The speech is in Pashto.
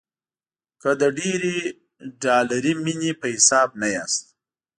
که له ډېرې ډالري مینې په حساب نه یاست.